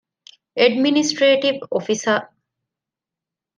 އެޑްމިނިސްޓްރޓިވް އޮފިސަރ